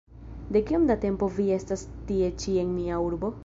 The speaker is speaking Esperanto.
De kiom da tempo vi estas tie ĉi en nia urbo?